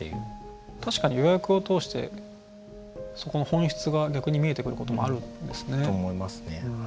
確かに予約を通してそこの本質が逆に見えてくることもあるんですね。と思いますね。